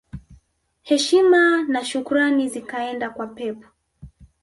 Heshima na shukrani zikaenda kwa Pep